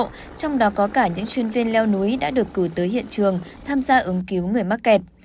trong đó có cả những chuyên viên leo núi đã được cử tới hiện trường tham gia ứng cứu người mắc kẹt